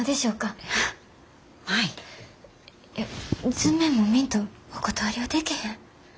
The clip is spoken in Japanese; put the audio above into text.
図面も見んとお断りはでけへん。